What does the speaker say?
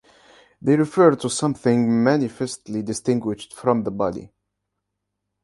They refer to something manifestly distinguished from the body.